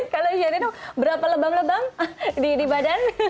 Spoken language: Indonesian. kalau sherina tuh berapa lebam lebam di badan